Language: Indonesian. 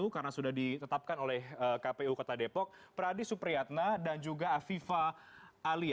karena sudah ditetapkan oleh kpu kota depok pradi supriyatna dan juga afifah ali